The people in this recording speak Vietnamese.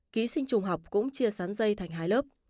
ký sinh trùng học cũng chia sắn dây thành hai lớp